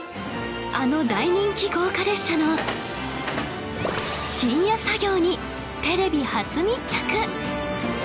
あの大人気豪華列車の深夜作業にテレビ初密着